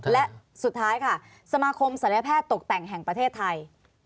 และสุดท้ายค่ะสมาคมศัลยแพทย์ตกแต่งแห่งประเทศไทย